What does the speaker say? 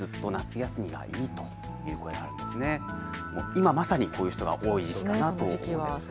今まさにこういう人が多いのかなと思います。